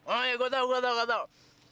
oh iya gua tau gua tau gua tau